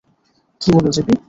কি বলো, জেপি?